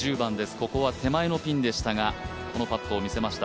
ここは手前のピンでしたがこのパットを見せました。